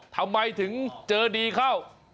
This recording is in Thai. ทำไมถึงเจอดีเข้า